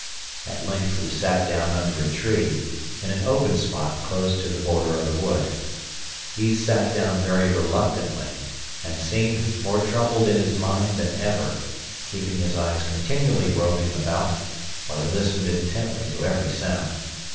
At length we sat down under a tree, in an open spot close to the border of the wood. He sat down very reluctantly, and seemed more troubled in his mind than ever, keeping his eyes continually roving about, while he listened intently to every sound.